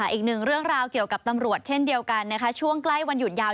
อีกนึงเรื่องราวเกี่ยวกับตำรวจช่วงกล้ายวันหยุดยาวยาว